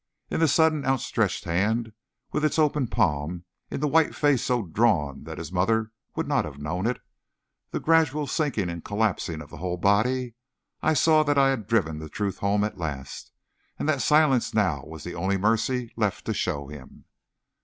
In the suddenly outstretched hand, with its open palm; in the white face so drawn that his mother would not have known it; in the gradual sinking and collapsing of the whole body, I saw that I had driven the truth home at last, and that silence now was the only mercy left to show him.